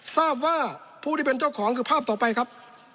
ทราบว่าผู้ที่เป็นเจ้าของคือภาพต่อไปครับ